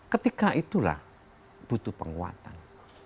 ketika itulah butuh penguatan